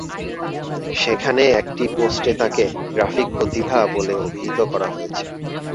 সেখানে একটি পোস্টে তাকে "গ্রাফিক প্রতিভা" বলে অভিহিত করা হয়েছে।